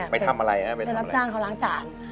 ไปทำอะไรฮะไปรับจ้างเขาล้างจาน